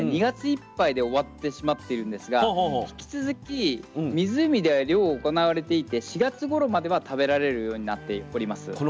２月いっぱいで終わってしまってるんですが引き続き湖では漁を行われていて４月ごろまでは食べられるようになっております。